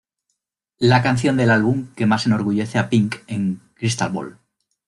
La canción del álbum que más enorgullece a Pink en "Crystal Ball".